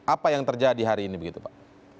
apa yang terjadi hari ini begitu pak